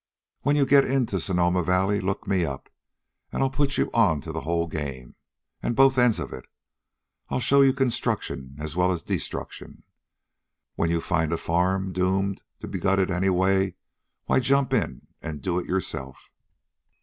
When you get into Sonoma Valley, look me up, and I'll put you onto the whole game, and both ends of it. I'll show you construction as well as destruction. When you find a farm doomed to be gutted anyway, why jump in and do it yourself."